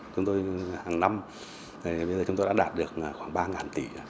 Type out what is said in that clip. chúng tôi hàng năm bây giờ chúng tôi đã đạt được khoảng ba tỷ